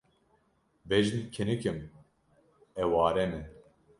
Bejn kinik im, eware me.